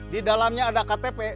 di dalamnya ada ktp